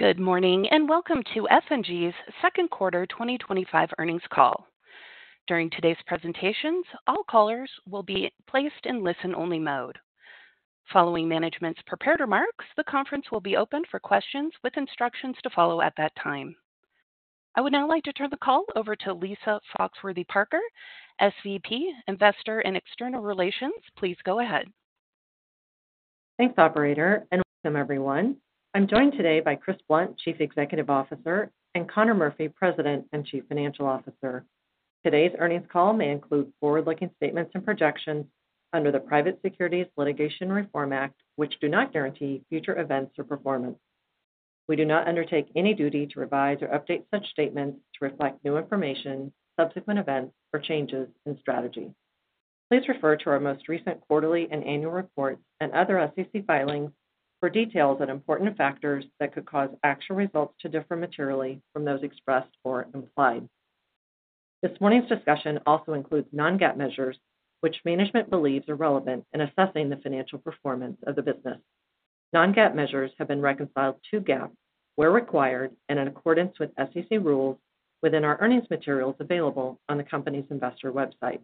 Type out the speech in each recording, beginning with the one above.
Good morning and welcome to F&G's Second Quarter 2025 Earnings Call. During today's presentations, all callers will be placed in listen-only mode. Following management's prepared remarks, the conference will be open for questions with instructions to follow at that time. I would now like to turn the call over to Lisa Foxworthy-Parker, SVP, Investor and External Relations. Please go ahead. Thanks, operator, and welcome, everyone. I'm joined today by Chris Blunt, Chief Executive Officer, and Conor Murphy, President and Chief Financial Officer. Today's earnings call may include forward-looking statements and projections under the Private Securities Litigation Reform Act, which do not guarantee future events or performance. We do not undertake any duty to revise or update such statements to reflect new information, subsequent events, or changes in strategy. Please refer to our most recent quarterly and annual reports and other SEC filings for details on important factors that could cause actual results to differ materially from those expressed or implied. This morning's discussion also includes non-GAAP measures, which management believes are relevant in assessing the financial performance of the business. Non-GAAP measures have been reconciled to GAAP where required and in accordance with SEC rules within our earnings materials available on the company's investor website.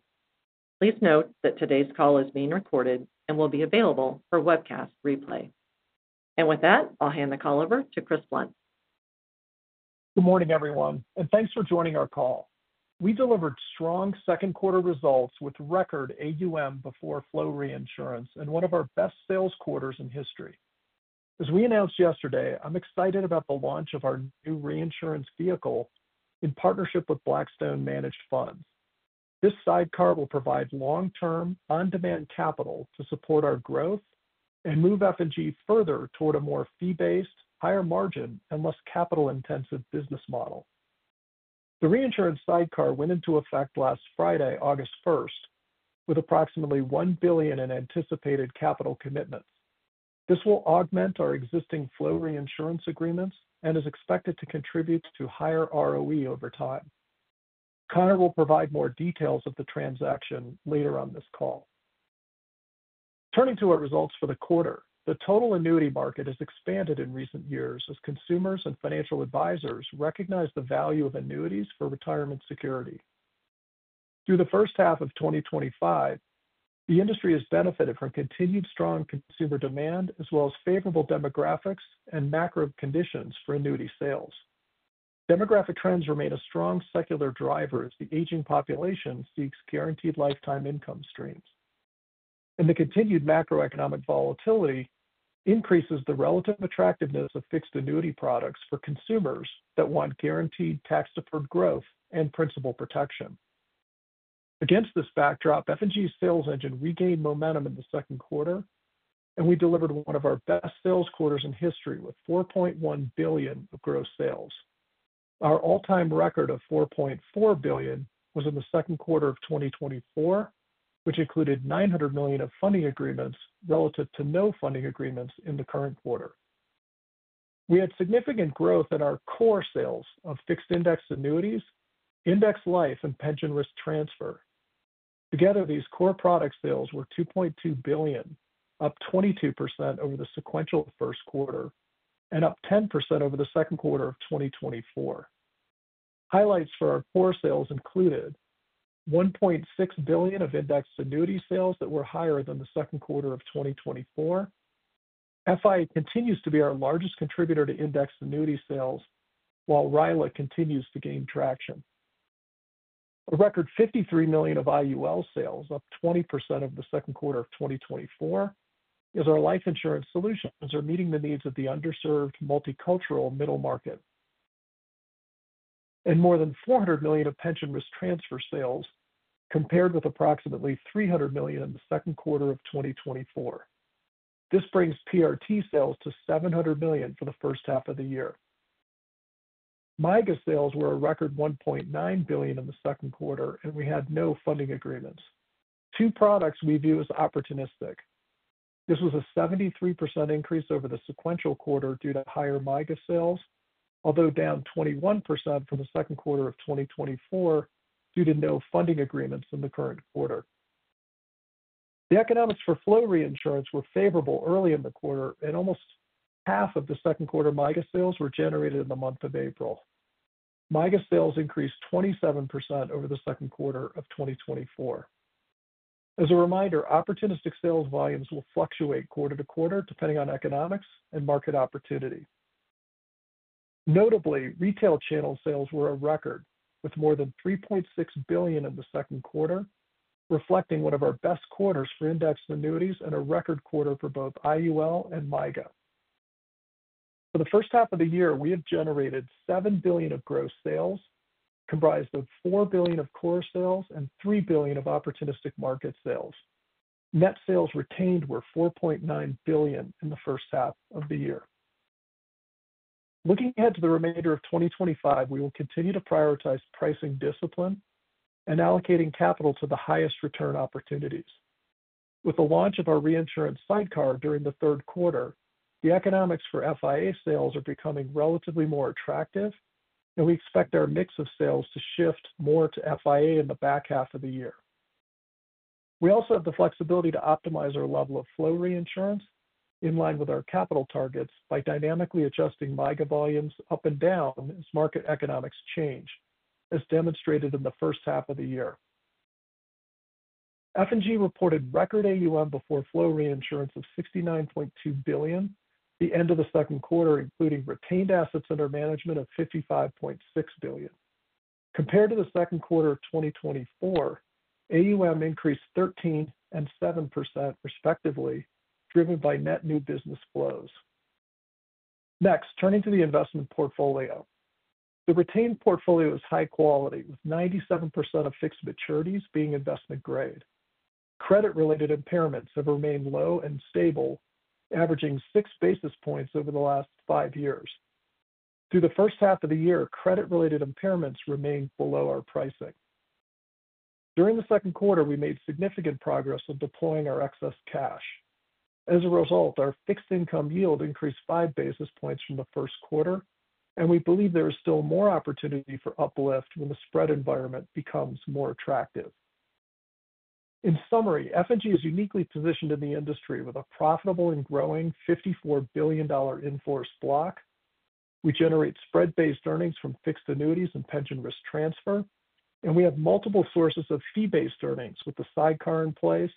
Please note that today's call is being recorded and will be available for webcast replay. With that, I'll hand the call over to Chris Blunt. Good morning, everyone, and thanks for joining our call. We delivered strong second quarter results with record AUM before flow reinsurance and one of our best sales quarters in history. As we announced yesterday, I'm excited about the launch of our new reinsurance vehicle in partnership with Blackstone Managed Funds. This sidecar will provide long-term, on-demand capital to support our growth and move F&G futher toward a more fee-based, higher margin, and less capital-intensive business model. The reinsurance sidecar went into effect last Friday, August 1st, with approximately $1 billion in anticipated capital commitments. This will augment our existing flow reinsurance agreements and is expected to contribute to higher ROE over time. Conor will provide more details of the transaction later on this call. Turning to our results for the quarter, the total annuity market has expanded in recent years as consumers and financial advisors recognize the value of annuities for retirement security. Through the first half of 2025, the industry has benefited from continued strong consumer demand as well as favorable demographics and macro conditions for annuity sales. Demographic trends remain a strong secular driver as the aging population seeks guaranteed lifetime income streams. The continued macroeconomic volatility increases the relative attractiveness of fixed annuity products for consumers that want guaranteed tax-deferred growth and principal protection. Against this backdrop, F&G's sales engine regained momentum in the second quarter, and we delivered one of our best sales quarters in history with $4.1 billion of gross sales. Our all-time record of $4.4 billion was in the second quarter of 2024, which included $900 million of funding agreements relative to no funding agreements in the current quarter. We had significant growth in our core sales of fixed indexed annuities, indexed life, and pension risk transfer. Together, these core product sales were $2.2 billion, up 22% over the sequential first quarter and up 10% over the second quarter of 2024. Highlights for our core sales included $1.6 billion of indexed annuity sales that were higher than the second quarter of 2024. FIA continues to be our largest contributor to indexed annuity sales, while Rila continues to gain traction. A record $53 million of IUL sales, up 20% over the second quarter of 2024, is our life insurance solutions are meeting the needs of the underserved multicultural middle market. More than $400 million of pension risk transfer sales compared with approximately $300 million in the second quarter of 2024. This brings PRT sales to $700 million for the first half of the year. MYGA sales were a record $1.9 billion in the second quarter, and we had no funding agreements. Two products we view as opportunistic. This was a 73% increase over the sequential quarter due to higher MYGA sales, although down 21% from the second quarter of 2024 due to no funding agreements in the current quarter. The economics for flow reinsurance were favorable early in the quarter, and almost half of the second quarter MYGA sales were generated in the month of April. MYGA sales increased 27% over the second quarter of 2024. As a reminder, opportunistic sales volumes will fluctuate quarter to quarter depending on economics and market opportunity. Notably, retail channel sales were a record, with more than $3.6 billion in the second quarter, reflecting one of our best quarters for indexed annuities and a record quarter for both IUL and MYGA. For the first half of the year, we have generated $7 billion of gross sales, comprised of $4 billion of core sales and $3 billion of opportunistic market sales. Net sales retained were $4.9 billion in the first half of the year. Looking ahead to the remainder of 2025, we will continue to prioritize pricing discipline and allocating capital to the highest return opportunities. With the launch of our reinsurance sidecar during the third quarter, the economics for FIA sales are becoming relatively more attractive, and we expect our mix of sales to shift more to FIA in the back half of the year. We also have the flexibility to optimize our level of flow reinsurance in line with our capital targets by dynamically adjusting MYGA volumes up and down as market economics change, as demonstrated in the first half of the year. F&G reported record AUM before flow reinsurance of $69.2 billion, the end of the second quarter including retained assets under management of $55.6 billion. Compared to the second quarter of 2024, AUM increased 13% and 7% respectively, driven by net new business flows. Next, turning to the investment portfolio. The retained portfolio is high quality, with 97% of fixed maturities being investment grade. Credit-related impairments have remained low and stable, averaging six basis points over the last five years. Through the first half of the year, credit-related impairments remained below our pricing. During the second quarter, we made significant progress in deploying our excess cash. As a result, our fixed income yield increased five basis points from the first quarter, and we believe there is still more opportunity for uplift when the spread environment becomes more attractive. In summary, F&G is uniquely positioned in the industry with a profitable and growing $54 billion invoice block. We generate spread-based earnings from fixed annuities and pension risk transfer, and we have multiple sources of fee-based earnings with the sidecar in place,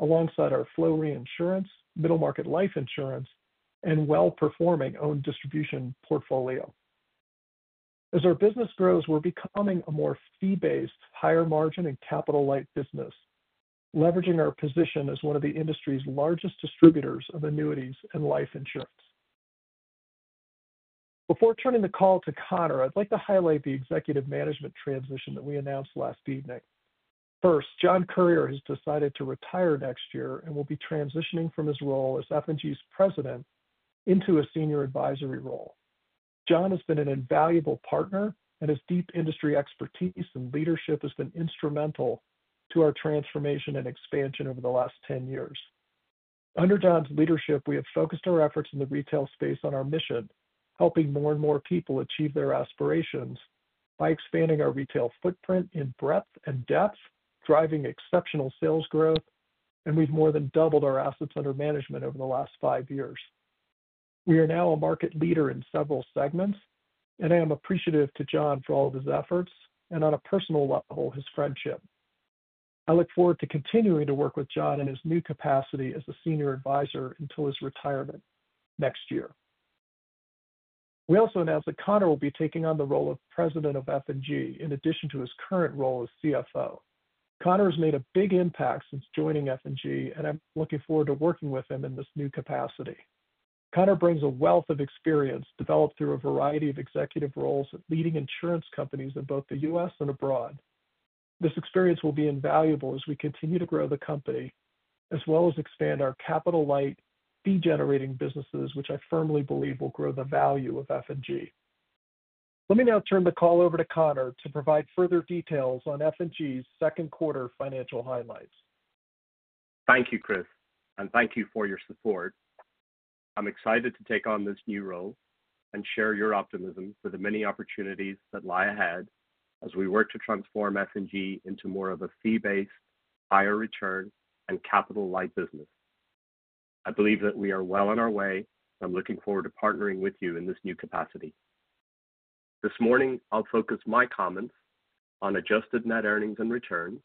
alongside our flow reinsurance, middle market life insurance, and well-performing owned distribution portfolio. As our business grows, we're becoming a more fee-based, higher margin, and capital-light business, leveraging our position as one of the industry's largest distributors of annuities and life insurance. Before turning the call to Conor, I'd like to highlight the executive management transition that we announced last evening. First, John Currier has decided to retire next year and will be transitioning from his role as F&G's president into a senior advisory role. John has been an invaluable partner, and his deep industry expertise and leadership have been instrumental to our transformation and expansion over the last 10 years. Under John's leadership, we have focused our efforts in the retail space on our mission, helping more and more people achieve their aspirations by expanding our retail footprint in breadth and depth, driving exceptional sales growth, and we've more than doubled our assets under management over the last five years. We are now a market leader in several segments, and I am appreciative to John for all of his efforts and, on a personal level, his friendship. I look forward to continuing to work with John in his new capacity as a Senior Advisor until his retirement next year. We also announced that Conor will be taking on the role of President of F&G in addition to his current role as CFO. Conor has made a big impact since joining F&G, and I'm looking forward to working with him in this new capacity. Conor brings a wealth of experience developed through a variety of executive roles at leading insurance companies in both the U.S. and abroad. This experience will be invaluable as we continue to grow the company, as well as expand our capital-light, fee-generating businesses, which I firmly believe will grow the value of F&G. Let me now turn the call over to Conor to provide further details on F&G's second quarter financial highlights. Thank you, Chris, and thank you for your support. I'm excited to take on this new role and share your optimism for the many opportunities that lie ahead as we work to transform F&G into more of a fee-based, higher return, and capital-light business. I believe that we are well on our way, and I'm looking forward to partnering with you in this new capacity. This morning, I'll focus my comments on adjusted net earnings and returns,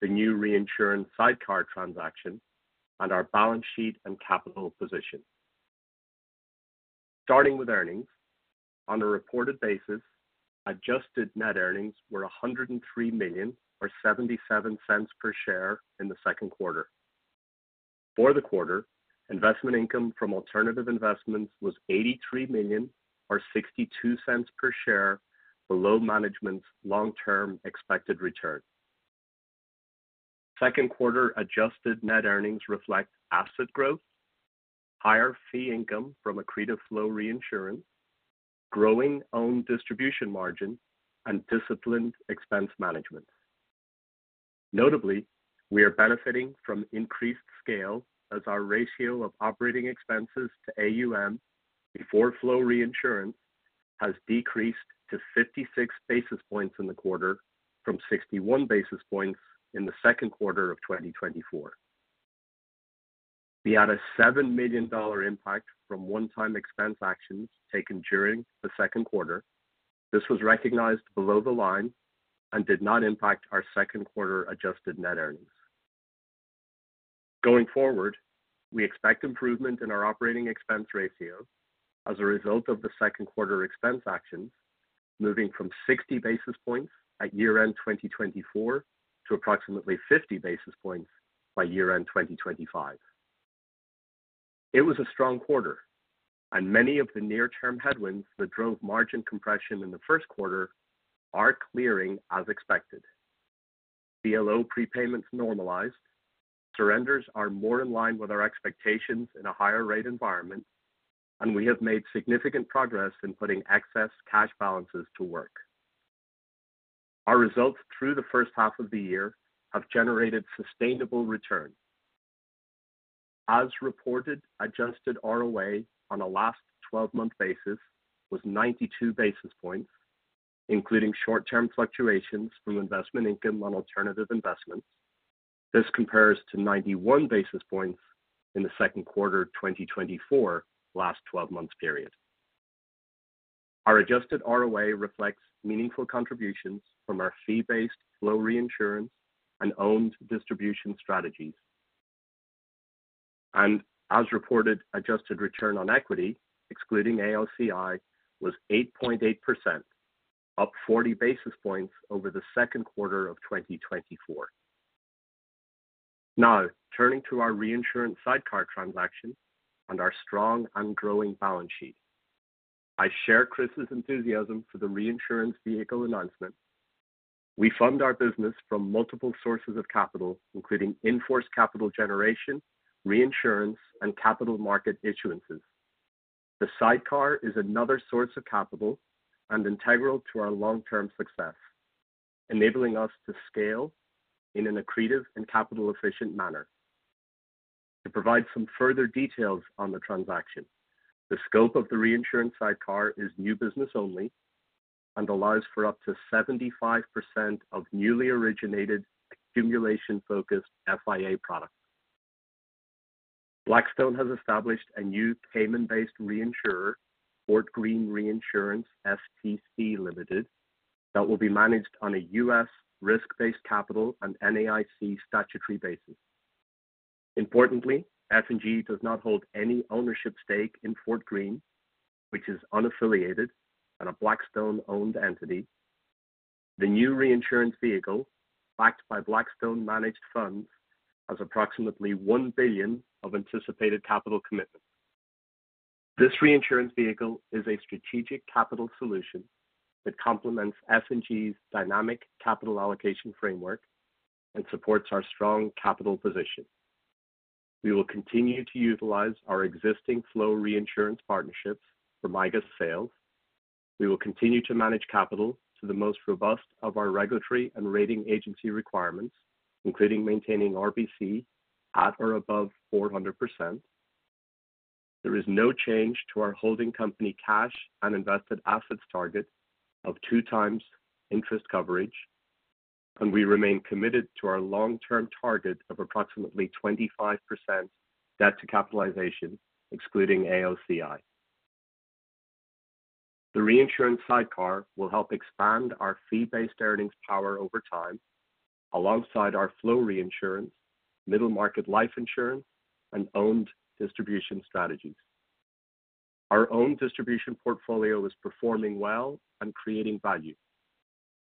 the new reinsurance sidecar transaction, and our balance sheet and capital position. Starting with earnings, on a reported basis, adjusted net earnings were $103 million or $0.77 per share in the second quarter. For the quarter, investment income from alternative investments was $83 million or $0.62 per share, below management's long-term expected return. Second quarter adjusted net earnings reflect asset growth, higher fee income from accretive flow reinsurance, growing owned distribution margin, and disciplined expense management. Notably, we are benefiting from increased scale as our ratio of operating expenses to assets under management before flow reinsurance has decreased to 56 basis points in the quarter from 61 basis points in the second quarter of 2024. We had a $7 million impact from one-time expense actions taken during the second quarter. This was recognized below the line and did not impact our second quarter adjusted net earnings. Going forward, we expect improvement in our operating expense ratio as a result of the second quarter expense action, moving from 60 basis points at year-end 2024 to approximately 50 basis points by year-end 2025. It was a strong quarter, and many of the near-term headwinds that drove margin compression in the first quarter are clearing as expected. PLO prepayments normalized, surrenders are more in line with our expectations in a higher rate environment, and we have made significant progress in putting excess cash balances to work. Our results through the first half of the year have generated sustainable return. As reported, adjusted ROA on a last 12-month basis was 92 basis points, including short-term fluctuations from investment income on alternative investments. This compares to 91 basis points in the second quarter of 2024, last 12 months' period. Our adjusted ROA reflects meaningful contributions from our fee-based flow reinsurance and owned distribution strategies. As reported, adjusted return on equity, excluding ALCI, was 8.8%, up 40 basis points over the second quarter of 2024. Now, turning to our reinsurance sidecar transaction and our strong and growing balance sheet. I share Chris' enthusiasm for the reinsurance vehicle announcement. We fund our business from multiple sources of capital, including in-force capital generation, reinsurance, and capital market issuances. The sidecar is another source of capital and integral to our long-term success, enabling us to scale in an accretive and capital-efficient manner. To provide some further details on the transaction, the scope of the reinsurance sidecar is new business only and allows for up to 75% of newly originated accumulation-focused Fixed Indexed Annuities products. Blackstone has established a new payment-based reinsurer, Fort Greene Reinsurance STC Ltd, that will be managed on a U.S. risk-based capital and NAIC statutory basis. Importantly, F&G does not hold any ownership stake in Fort Greene, which is unaffiliated and a Blackstone-owned entity. The new reinsurance vehicle, backed by Blackstone Managed Funds, has approximately $1 billion of anticipated capital commitment. This reinsurance vehicle is a strategic capital solution that complements F&G's dynamic capital allocation framework and supports our strong capital position. We will continue to utilize our existing flow reinsurance partnerships for MYGA sales. We will continue to manage capital to the most robust of our regulatory and rating agency requirements, including maintaining RBC at or above 400%. There is no change to our holding company cash and invested assets target of 2x interest coverage, and we remain committed to our long-term target of approximately 25% debt to capitalization, excluding ALCI. The reinsurance sidecar will help expand our fee-based earnings power over time, alongside our flow reinsurance, middle market life insurance, and owned distribution strategies. Our owned distribution portfolio is performing well and creating value.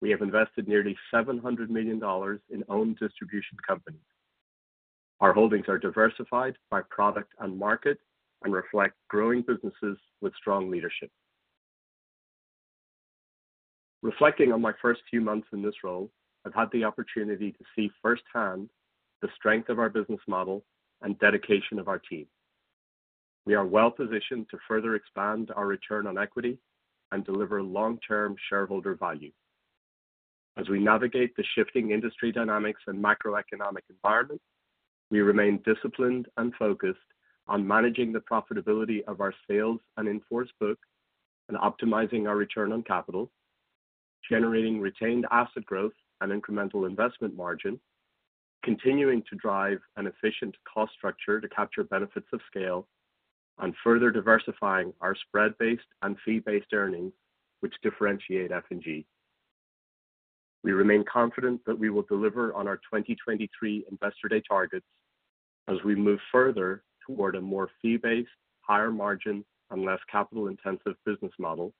We have invested nearly $700 million in owned distribution companies. Our holdings are diversified by product and market and reflect growing businesses with strong leadership. Reflecting on my first few months in this role, I've had the opportunity to see firsthand the strength of our business model and dedication of our team. We are well positioned to further expand our return on equity and deliver long-term shareholder value. As we navigate the shifting industry dynamics and macroeconomic environment, we remain disciplined and focused on managing the profitability of our sales and in-force book and optimizing our return on capital, generating retained asset growth and incremental investment margin, continuing to drive an efficient cost structure to capture benefits of scale, and further diversifying our spread-based and fee-based earnings, which differentiate F&G. We remain confident that we will deliver on our 2023 Investor Day targets as we move further toward a more fee-based, higher margin, and less capital-intensive business model,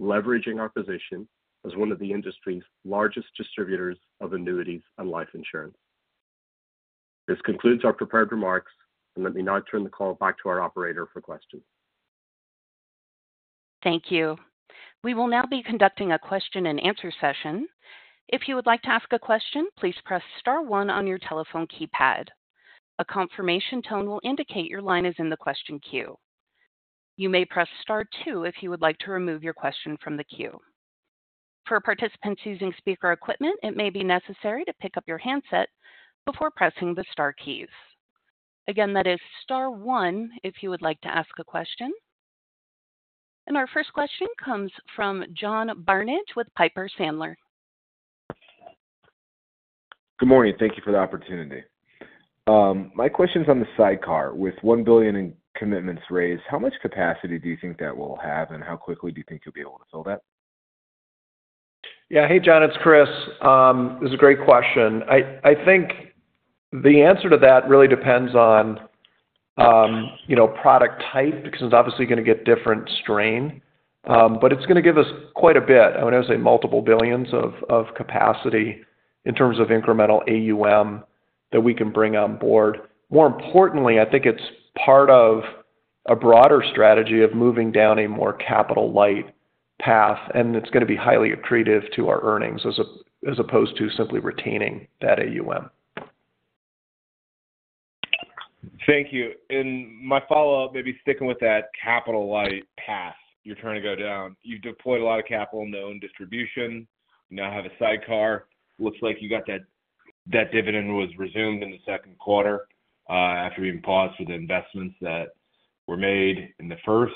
leveraging our position as one of the industry's largest distributors of annuities and life insurance. This concludes our prepared remarks, and let me now turn the call back to our operator for questions. Thank you. We will now be conducting a question-and-answer session. If you would like to ask a question, please press Star, one on your telephone keypad. A confirmation tone will indicate your line is in the question queue. You may press Star,. two if you would like to remove your question from the queue. For participants using speaker equipment, it may be necessary to pick up your handset before pressing the Star keys. Again, that is Star, one if you would like to ask a question. Our first question comes from John Barnidge with Piper Sandler. Good morning. Thank you for the opportunity. My question is on the sidecar with $1 billion in commitments raised. How much capacity do you think that will have, and how quickly do you think you'll be able to fill that? Yeah. Hey, John. It's Chris. This is a great question. I think the answer to that really depends on, you know, product type because it's obviously going to get different strain, but it's going to give us quite a bit. I would say multiple billions of capacity in terms of incremental AUM that we can bring on board. More importantly, I think it's part of a broader strategy of moving down a more capital-light path, and it's going to be highly accretive to our earnings as opposed to simply retaining that AUM. Thank you. My follow-up, maybe sticking with that capital-light path you're trying to go down, you've deployed a lot of capital in the owned distribution. You now have a sidecar. It looks like that dividend was resumed in the second quarter after being paused for the investments that were made in the first.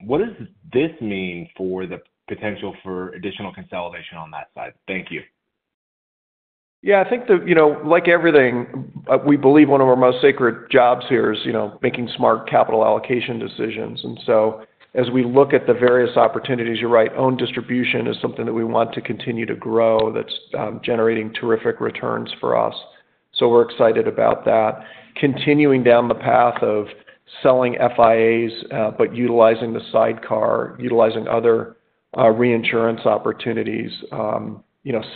What does this mean for the potential for additional consolidation on that side? Thank you. Yeah. I think that, you know, like everything, we believe one of our most sacred jobs here is making smart capital allocation decisions. As we look at the various opportunities, you're right, owned distribution is something that we want to continue to grow that's generating terrific returns for us. We're excited about that. Continuing down the path of selling FIAs, but utilizing the sidecar, utilizing other reinsurance opportunities,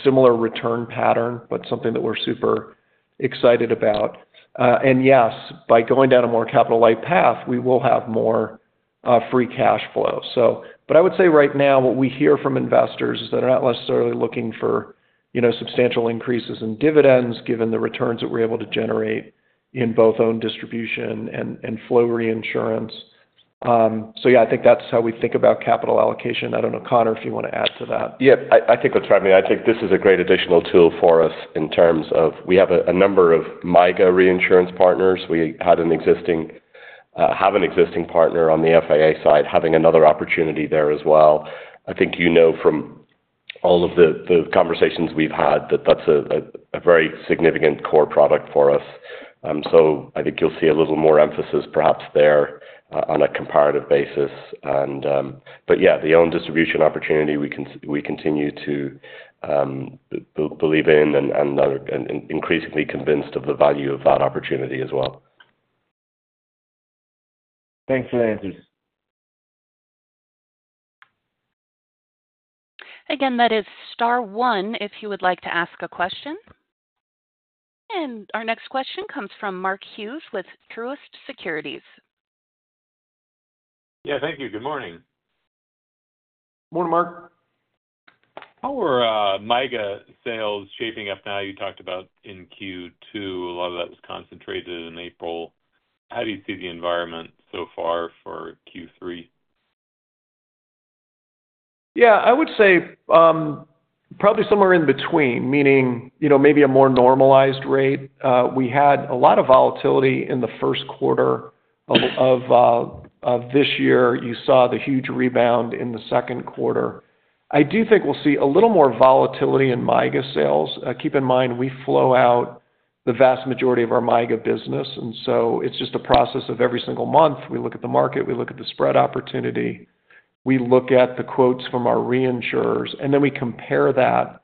similar return pattern, but something that we're super excited about. Yes, by going down a more capital-light path, we will have more free cash flow. I would say right now what we hear from investors is that they're not necessarily looking for substantial increases in dividends given the returns that we're able to generate in both owned distribution and flow reinsurance. Yeah, I think that's how we think about capital allocation. I don't know, Conor, if you want to add to that. I think what's happening, I think this is a great additional tool for us in terms of we have a number of MYGA reinsurance partners. We had an existing, have an existing partner on the FIA side, having another opportunity there as well. I think you know from all of the conversations we've had that that's a very significant core product for us. I think you'll see a little more emphasis perhaps there on a comparative basis. The owned distribution opportunity we continue to believe in and are increasingly convinced of the value of that opportunity as well. Thanks for the answers. That is star one if you would like to ask a question. Our next question comes from Mark Hughes with Truist Securities. Thank you. Good morning. Morning, Mark. How are MYGA sales shaping up now? You talked about in Q2, a lot of that was concentrated in April. How do you see the environment so far for Q3? Yeah. I would say probably somewhere in between, meaning, you know, maybe a more normalized rate. We had a lot of volatility in the first quarter of this year. You saw the huge rebound in the second quarter. I do think we'll see a little more volatility in MYGA sales. Keep in mind, we flow out the vast majority of our MYGA business, and it's just a process of every single month. We look at the market, we look at the spread opportunity, we look at the quotes from our reinsurers, and then we compare that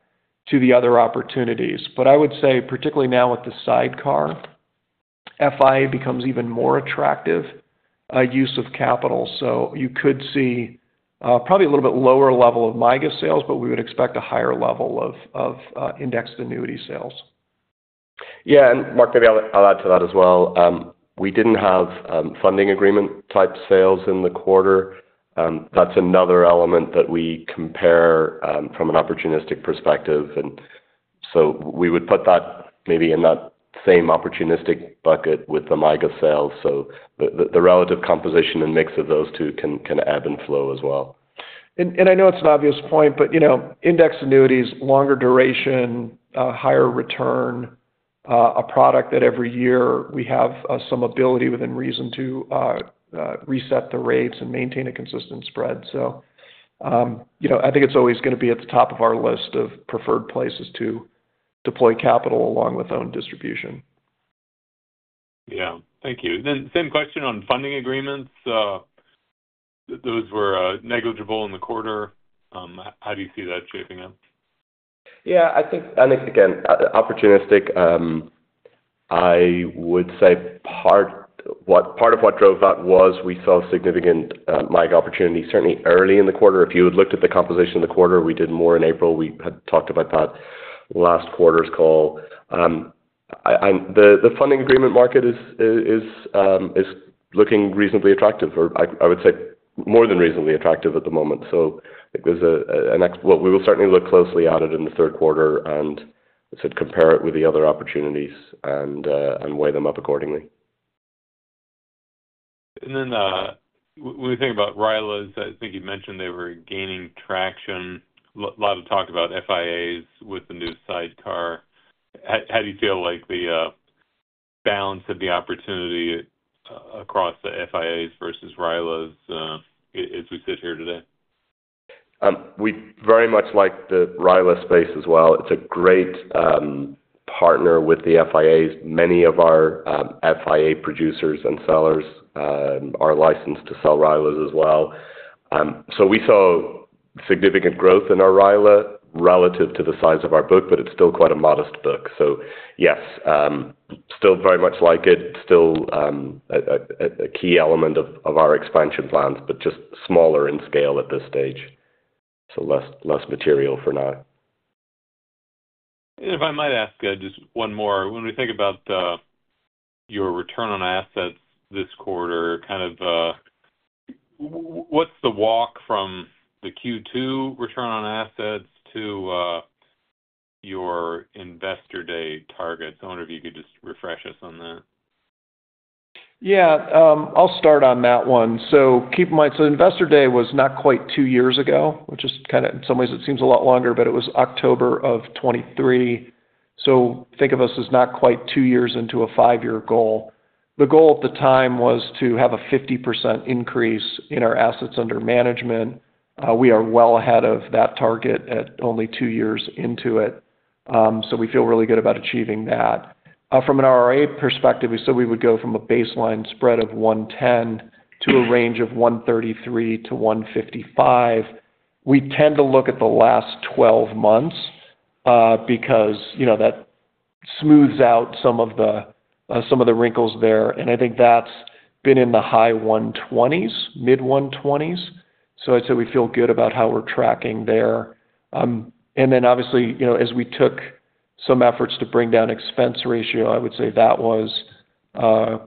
to the other opportunities. I would say particularly now with the sidecar, FIA become even more attractive use of capital. You could see probably a little bit lower level of MYGA sales, but we would expect a higher level of indexed annuity sales. Yeah. Mark, maybe I'll add to that as well. We didn't have funding agreement type sales in the quarter. That's another element that we compare from an opportunistic perspective. We would put that maybe in that same opportunistic bucket with the MYGA sales. The relative composition and mix of those two can ebb and flow as well. I know it's an obvious point, but you know, indexed annuities, longer duration, higher return, a product that every year we have some ability within reason to reset the rates and maintain a consistent spread. I think it's always going to be at the top of our list of preferred places to deploy capital along with owned distribution. Thank you. Same question on funding agreements. Those were negligible in the quarter. How do you see that shaping up? I think, again, opportunistic. I would say part of what drove that was we saw significant MYGA opportunities certainly early in the quarter. If you had looked at the composition of the quarter, we did more in April. We had talked about that on last quarter's call. The funding agreement market is looking reasonably attractive, or I would say more than reasonably attractive at the moment. I think there's a next step. We will certainly look closely at it in the third quarter, and I said compare it with the other opportunities and weigh them up accordingly. When we think about RILA I think you mentioned they were gaining traction. There is a lot of talk about FIA with the new sidecar. How do you feel like the balance of the opportunity across the FIA versus RILA as we sit here today? We very much like the RILA space as well. It's a great partner with the FIAs. Many of our FIA producers and sellers are licensed to sell RILA as well. We saw significant growth in our RILA relative to the size of our book, but it's still quite a modest book. Yes, still very much like it. Still a key element of our expansion plans, just smaller in scale at this stage. Less material for now. If I might ask just one more, when we think about your return on assets this quarter, what's the walk from the Q2 return on assets to your Investor Day targets? I wonder if you could just refresh us on that. Yeah. I'll start on that one. Keep in mind, Investor Day was not quite two years ago, which is kind of in some ways it seems a lot longer, but it was October of 2023. Think of us as not quite two years into a five-year goal. The goal at the time was to have a 50% increase in our assets under management. We are well ahead of that target at only two years into it. We feel really good about achieving that. From an RRA perspective, we said we would go from a baseline spread of 110 to a range of 133-155. We tend to look at the last 12 months because, you know, that smooths out some of the wrinkles there. I think that's been in the high 120s, mid-120s. I'd say we feel good about how we're tracking there. Obviously, as we took some efforts to bring down expense ratio, I would say that was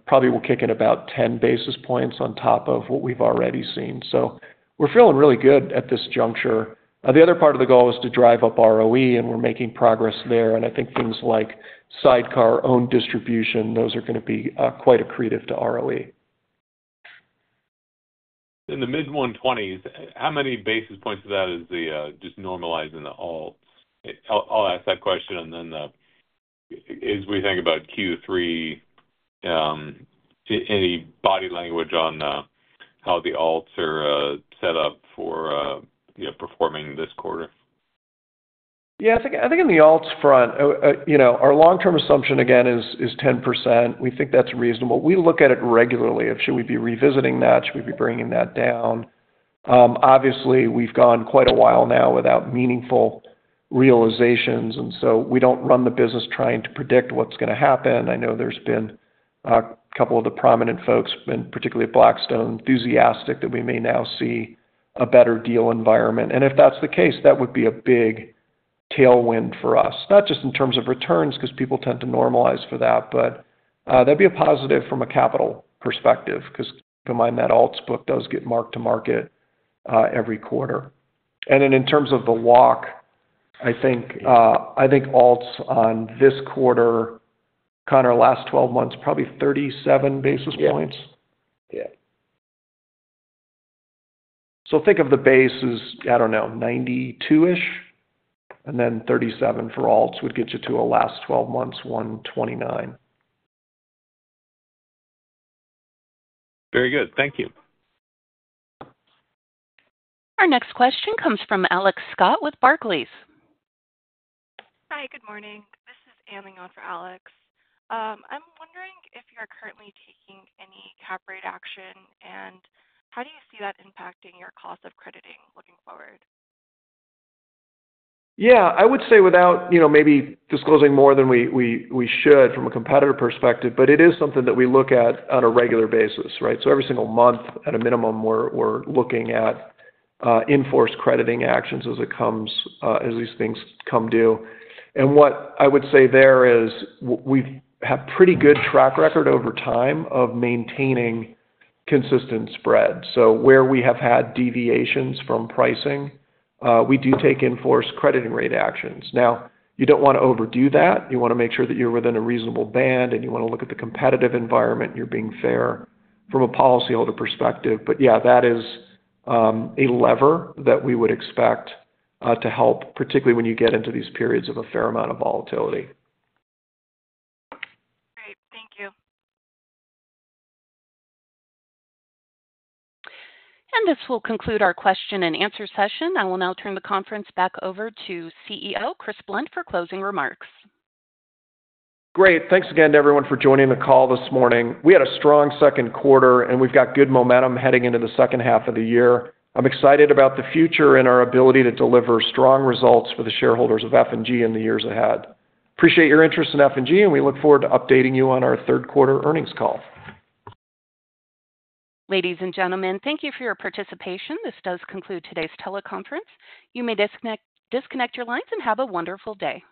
probably going to kick in about 10 basis points on top of what we've already seen. We're feeling really good at this juncture. The other part of the goal is to drive up ROE, and we're making progress there. I think things like sidecar owned distribution, those are going to be quite accretive to ROE. In the mid-120s, how many basis points of that is just normalizing the alts? I'll ask that question. As we think about Q3, any body language on how the alts are set up for performing this quarter? Yes. I think on the alts front, you know, our long-term assumption, again, is 10%. We think that's reasonable. We look at it regularly. Should we be revisiting that? Should we be bringing that down? Obviously, we've gone quite a while now without meaningful realizations. We don't run the business trying to predict what's going to happen. I know there's been a couple of the prominent folks who've been particularly at Blackstone enthusiastic that we may now see a better deal environment. If that's the case, that would be a big tailwind for us, not just in terms of returns because people tend to normalize for that, but that'd be a positive from a capital perspective because be mind that alts book does get marked to market every quarter. In terms of the walk, I think alts on this quarter, Conor, last 12 months, probably 37 basis points. Yeah. Think of the base as, I don't know, $92 million-ish, and then $37 million for alts would get you to a last 12 months $129 million. Very good. Thank you. Our next question comes from Alex Scott with Barclays. Hi. Good morning. This is Anling on for Alex. I'm wondering if you're currently taking any cap rate action, and how do you see that impacting your cost of crediting looking forward? Yeah. I would say without maybe disclosing more than we should from a competitor perspective, it is something that we look at on a regular basis, right? Every single month, at a minimum, we're looking at invoice crediting actions as these things come due. What I would say there is we have a pretty good track record over time of maintaining consistent spread. Where we have had deviations from pricing, we do take invoice crediting rate actions. You don't want to overdo that. You want to make sure that you're within a reasonable band, and you want to look at the competitive environment and you're being fair from a policyholder perspective. Yeah, that is a lever that we would expect to help, particularly when you get into these periods of a fair amount of volatility. Great. Thank you. This will conclude our question and answer session. I will now turn the conference back over to CEO Chris Blunt for closing remarks. Great. Thanks again to everyone for joining the call this morning. We had a strong second quarter, and we've got good momentum heading into the second half of the year. I'm excited about the future and our ability to deliver strong results for the shareholders of F&G in the years ahead. Appreciate your interest in F&G, and we look forward to updating you on our third quarter earnings calls. Ladies and gentlemen, thank you for your participation. This does conclude today's teleconference. You may disconnect your lines and have a wonderful day.